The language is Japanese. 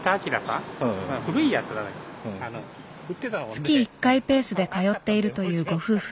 月１回ペースで通っているというご夫婦。